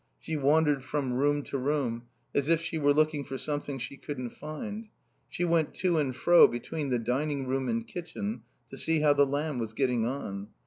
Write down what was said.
She wandered from room to room, as if she were looking for something she couldn't find. She went to and fro between the dining room and kitchen to see how the lamb was getting on.